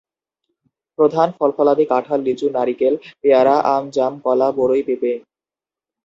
প্রধান ফলফলাদি কাঁঠাল, লিচু, নারিকেল, পেয়ারা, আম, জাম, কলা, বড়ই, পেঁপে।